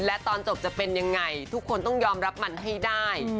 และตอนจบจะเป็นยังไงทุกคนต้องยอมรับมันให้ได้